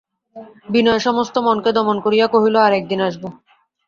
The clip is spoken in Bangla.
বিনয় সমস্ত মনকে দমন করিয়া কহিল, আর-এক দিন আসব।